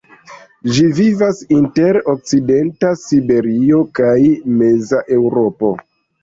Ĝi vivas inter okcidenta Siberio kaj meza Eŭropo.